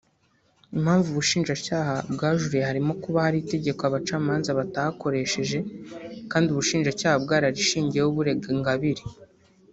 Impamvu Ubushinjacyaha bwajuriye harimo kuba hari itegeko abacamanza batakoresheje kandi Ubushinjacyaha bwararishingiyeho burega Ingabire